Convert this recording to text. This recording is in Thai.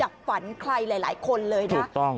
ดับฝันใครหลายหลายคนเลยนะถูกต้อง